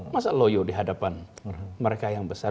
masa loyo dihadapan mereka yang besar